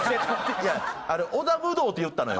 いやあれ織田無道って言ったのよ。